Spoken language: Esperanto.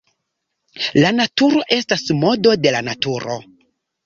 La naturo estas modo de la Naturo.